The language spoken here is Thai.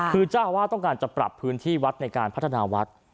คือเจ้าอาวาสต้องการจะปรับพื้นที่วัดในการพัฒนาวัด